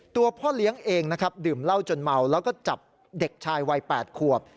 พ่อเลี้ยงเองนะครับดื่มเหล้าจนเมาแล้วก็จับเด็กชายวัย๘ขวบ